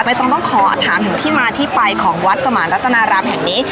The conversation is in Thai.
ต้องต้องขอถามถึงที่มาที่ไปของวัดสมานรัตนารามแห่งนี้